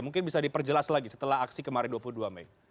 mungkin bisa diperjelas lagi setelah aksi kemarin dua puluh dua mei